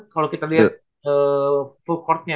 kalau kita liat full court nya